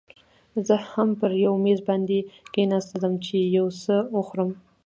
زه هم پر یو میز باندې کښېناستم، چې یو څه وخورم.